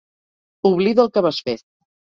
Oblida el que vas fer.